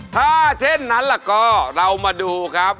ถ้าเช่นนั้นล่ะก็เรามาดูครับ